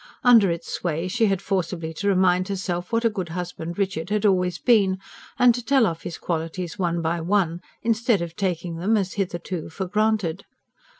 Under its sway she had forcibly to remind herself what a good husband Richard had always been; had to tell off his qualities one by one, instead of taking them as hitherto for granted.